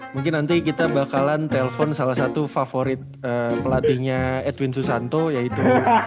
mungkin nanti kita bakalan telpon salah satu favorit pelatihnya edwin susanto yaitu